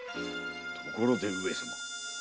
ところで上様。